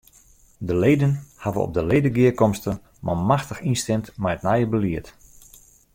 De leden hawwe op de ledegearkomste manmachtich ynstimd mei it nije belied.